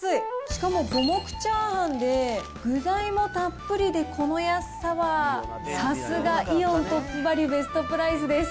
しかも五目炒飯で具材もたっぷりで、この安さはさすがイオントップバリュベストプライスです。